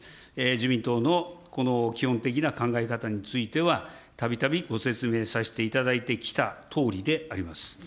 自民党のこの基本的な考え方については、たびたびご説明させていただいてきたとおりであります。